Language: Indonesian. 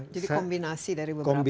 jadi kombinasi dari beberapa teknologi